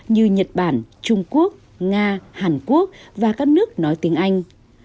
như nhật bản trung quốc nga hàn quốc và các nước nói tiếng anh